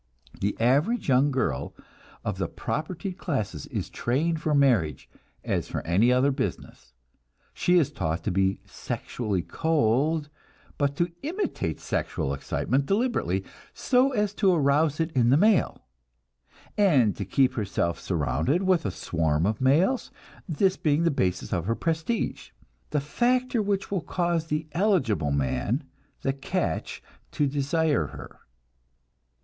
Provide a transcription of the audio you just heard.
The average young girl of the propertied classes is trained for marriage as for any other business. She is taught to be sexually cold, but to imitate sexual excitement deliberately, so as to arouse it in the male, and to keep herself surrounded with a swarm of males; this being the basis of her prestige, the factor which will cause the "eligible" man, the "catch," to desire her.